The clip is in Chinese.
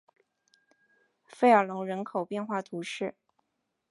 弗尔农人口变化图示